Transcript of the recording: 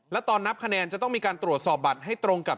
แล้วตอนนับคะแนนจะต้องมีการตรวจสอบบัตรให้ตรงกับ